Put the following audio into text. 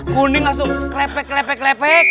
kuning langsung klepek klepek lepek